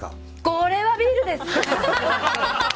これはビールです！